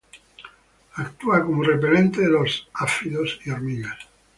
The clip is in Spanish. Actúa como repelente de los áfidos y hormigas.